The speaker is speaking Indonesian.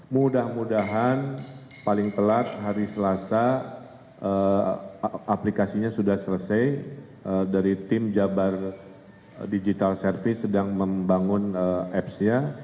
mudah mudahan paling telat hari selasa aplikasinya sudah selesai dari tim jabar digital service sedang membangun apps nya